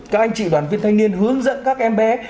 các anh chị đoàn viên thanh niên hướng dẫn các em bé